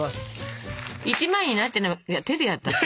１枚になってんのは手でやったら？